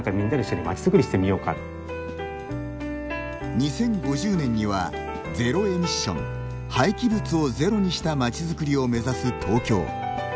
２０５０年にはゼロエミッション廃棄物をゼロにした街づくりを目指す東京。